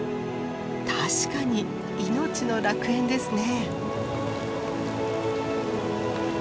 確かに命の楽園ですね。